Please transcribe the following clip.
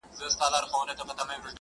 زه به څنگه ستا ښکارونو ته زړه ښه کړم؛